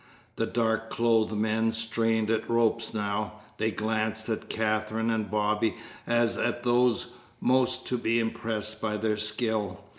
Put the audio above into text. The dark clothed men strained at ropes now. They glanced at Katherine and Bobby as at those most to be impressed by their skill.